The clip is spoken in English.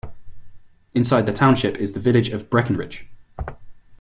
Inside the township is the Village of Breckenridge.